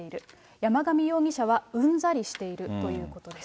山上容疑者はうんざりしているということです。